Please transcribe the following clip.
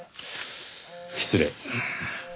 失礼。